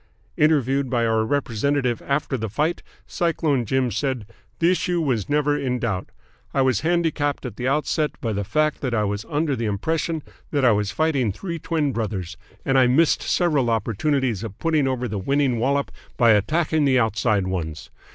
"Interviewed by our representative after the fight, Cyclone Jim said: 'The issue was never in doubt. I was handicapped at the outset by the fact that I was under the impression that I was fighting three twin brothers, and I missed several opportunities of putting over the winning wallop by attacking the outside ones.